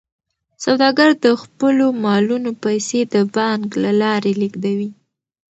سوداګر د خپلو مالونو پیسې د بانک له لارې لیږدوي.